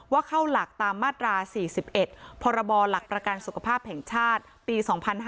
ว่าเข้าหลักตามมาตรา๔๑พลประการสุขภาพแห่งชาติปี๒๕๔๕